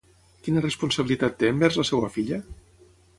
Quina responsabilitat té envers la seva filla?